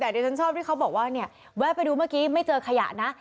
แต่ดิฉันชอบที่เขาบอกว่าเนี่ยแวะไปดูเมื่อกี้ไม่เจอขยะนะ